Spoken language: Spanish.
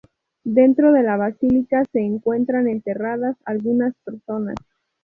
Dentro de la basílica se encuentran enterradas algunas personas.